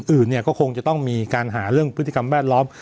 อื่นเนี่ยก็คงจะต้องมีการหาเรื่องพฤติกรรมแวดล้อม